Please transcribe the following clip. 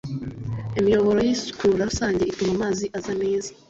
imiyoboro y’isukura rusange ituma amazi aza neza